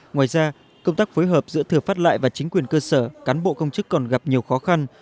ngoài ra công tác phối hợp giữa thừa phát lại và chính quyền cơ sở cán bộ công chức còn gặp nhiều khó khăn